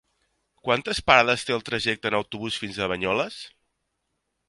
Quantes parades té el trajecte en autobús fins a Banyoles?